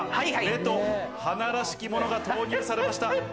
目と鼻らしきものが投入されました！